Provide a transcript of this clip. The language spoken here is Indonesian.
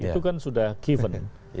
itu kan sudah given